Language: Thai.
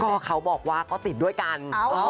ก็เขาบอกว่าก็ติดด้วยกัน